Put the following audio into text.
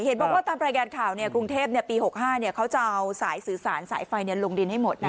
เห็นบอกว่าตามรายงานข่าวกรุงเทพปี๖๕เขาจะเอาสายสื่อสารสายไฟลงดินให้หมดนะ